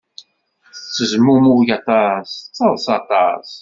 Tettezmumug aṭas, tettaḍsa aṭas.